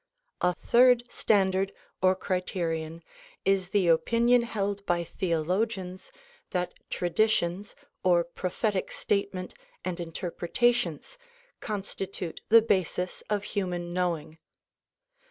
A third standard or criterion is the opinion held by theologians that traditions or prophetic statement and interpretations constitute the basis of human knowing.